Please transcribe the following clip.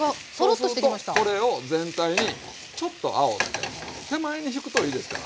そうするとこれを全体にちょっとあおって手前に引くといいですから。